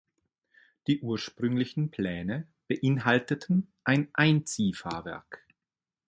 Die ursprünglichen Pläne beinhalteten ein Einziehfahrwerk.